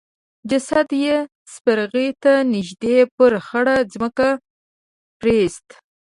جسد يې سپرغي ته نږدې پر خړه ځمکه پريېست.